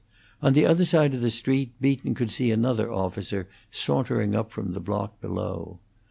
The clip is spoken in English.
On the other side of the street Beaton could see another officer sauntering up from the block below.